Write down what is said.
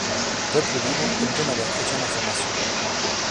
Peuple Libre, hebdomadaire chrétien d'information.